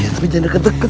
tapi jangan deket deket